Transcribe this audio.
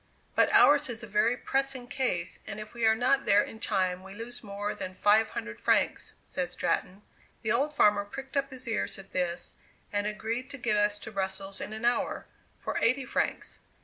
"But ours is a very pressing case, and if we are not there in time we lose more than five hundred francs," said Stratton. The old farmer pricked up his ears at this, and agreed to get us to Brussels in an hour, for eighty francs.